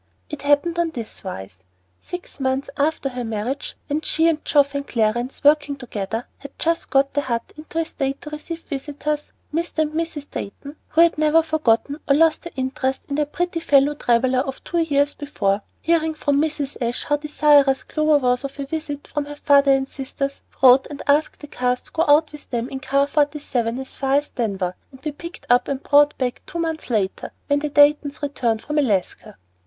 It happened on this wise. Six months after her marriage, when she and Geoff and Clarence, working together, had just got the "hut" into a state to receive visitors, Mr. and Mrs. Dayton, who had never forgotten or lost their interest in their pretty fellow traveller of two years before, hearing from Mrs. Ashe how desirous Clover was of a visit from her father and sisters, wrote and asked the Carrs to go out with them in car 47 as far as Denver, and be picked up and brought back two months later when the Daytons returned from Alaska.